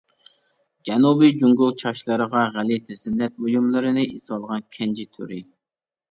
جەنۇبىي جۇڭگو چاچلىرىغا غەلىتە زىننەت بۇيۇملىرىنى ئېسىۋالغان كەنجى تۈرى.